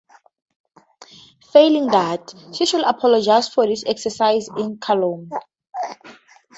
Failing that, she should apologize for this exercise in calumny.